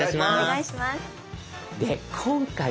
お願いします。